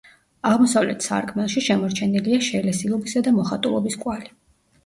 აღმოსავლეთ სარკმელში შემორჩენილია შელესილობისა და მოხატულობის კვალი.